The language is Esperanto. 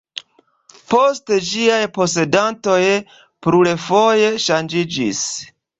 Poste ĝiaj posedantoj plurfoje ŝanĝiĝis.